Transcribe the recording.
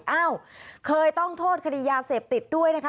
เอ้าเคยต้องโทษคดียาเสพติดด้วยนะคะ